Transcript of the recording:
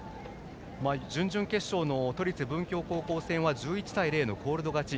準々決勝の都立文京高校戦は１１対０のコールド勝ち。